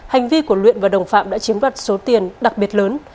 hành vi của luyện và đồng phạm đã chiếm đoạt số tiền đặc biệt lớn